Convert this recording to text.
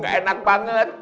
gak enak banget